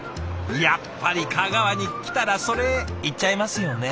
やっぱり香川に来たらそれいっちゃいますよね。